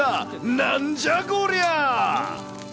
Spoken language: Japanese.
なんじゃこりゃ？